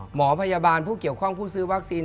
หมอพยาบาลผู้เกี่ยวข้องผู้ซื้อวัคซีน